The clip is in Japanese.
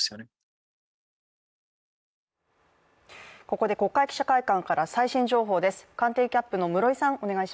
ここで国会記者会館から最新情報です。